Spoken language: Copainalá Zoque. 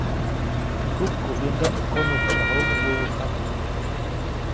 Teʼ kupkubyäŋdaʼm konuʼksyajuʼuŋ wäwä jama.